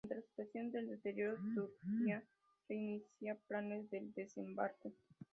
Ante la situación de deterioro, Turquía reinicia planes de desembarco.